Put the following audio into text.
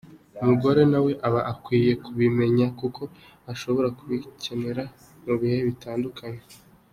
Umugore nawe aba akwiye kubimenya kuko ashobora kubikenera mu bihe bitandukanye.